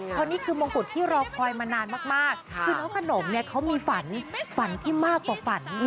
เพราะนี่คือมงกุฎที่รอคอยมานานมากคือน้องขนมเนี่ยเขามีฝันฝันที่มากกว่าฝัน